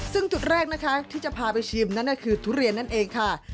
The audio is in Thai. ซึ่งจุดแรกนะคะที่จะพาไปชิมนั่นคือทุเรียนนั่นเองค่ะ